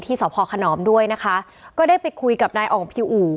ที่ศคานอมด้วยนะคะก็ได้ไปคุยกับนายองค์พิวอู๋